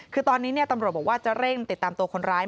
คือตอนนี้ตำรวจบอกว่าจะเร่งติดตามตัวคนร้าย